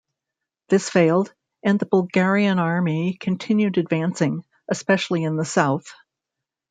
This failed and the Bulgarian army continued advancing, especially in the south.